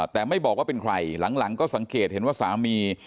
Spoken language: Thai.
แต่ไม่บอกว่าเป็นใครหลังก็สังเกตเห็นว่าสามี